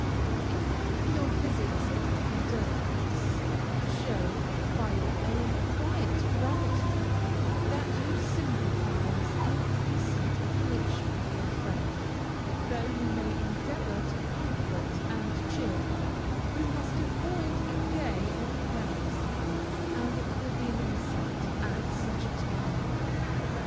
In paying your visits of condolence, show, by your own quiet gravity, that you sympathize in the recent affliction of your friend. Though you may endeavor to comfort and cheer her, you must avoid a gay or careless air, as it will be an insult at such a time.